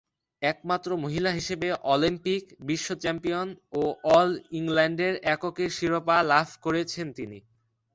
একমাত্র মহিলা হিসেবে অলিম্পিক, বিশ্ব চ্যাম্পিয়নশিপ ও অল-ইংল্যান্ডের এককের শিরোপা লাভ করেছেন তিনি।